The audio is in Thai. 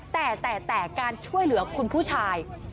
แต่แต่การช่วยเหลือคุณผู้ชาย